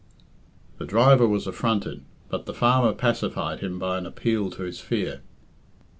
* The driver was affronted, but the farmer pacified him by an appeal to his fear.